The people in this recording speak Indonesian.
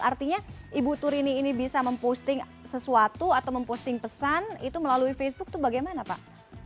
artinya ibu turini ini bisa memposting sesuatu atau memposting pesan itu melalui facebook itu bagaimana pak